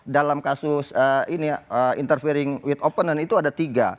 dalam kasus interfering with opponent itu ada tiga